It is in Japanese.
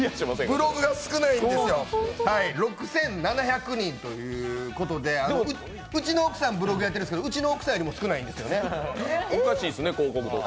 ブログが少ないんですよ６７００人ということでうちの奥さん、ブログやってるんですけど、うちの奥さんより少ないんですよね。